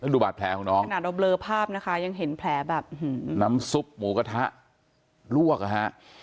ดูบาดแผลของน้องขนาดเราเลอภาพนะคะยังเห็นแผลแบบน้ำซุปหมูกระทะลวกนะฮะ